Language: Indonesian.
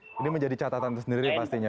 oke ini menjadi catatan sendiri pastinya